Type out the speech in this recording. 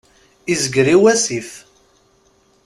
Izger i wasif.